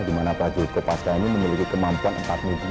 di mana prajurit kopaska ini memiliki kemampuan empat militer